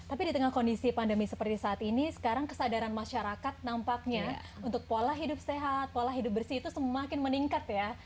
tapi di tengah kondisi pandemi seperti saat ini sekarang kesadaran masyarakat nampaknya untuk pola hidup sehat pola hidup bersih itu semakin meningkat ya